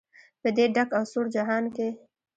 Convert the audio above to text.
په دې ډک او سوړ جهان کې.